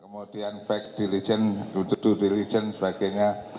kemudian fact diligence dow diligence sebagainya